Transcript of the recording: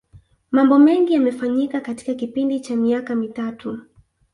mambo mengi yamefanyika katika kipindi cha miaka mitatu